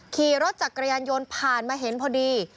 ขี่รถจักรยานยนต์ผ่านมาเห็นพอดี